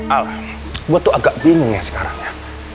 ah gue tuh agak bingung ya sekarang ya